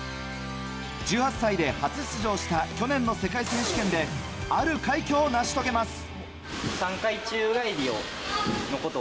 １８歳で初出場した去年の世界選手権である快挙を成し遂げます。